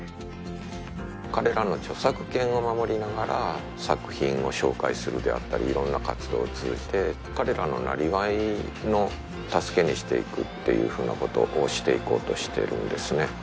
彼らの著作権を守りながら作品を紹介するであったり色んな活動を通じて彼らの生業の助けにしていくっていうふうなことをしていこうとしてるんですね